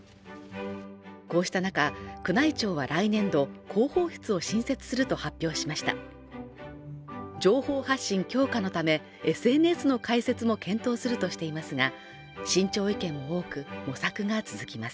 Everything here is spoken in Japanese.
こうした中、宮内庁は来年度広報室を新設すると発表しました情報発信強化のためＳＮＳの開設も検討するとしていますが慎重意見も多く模索が続きます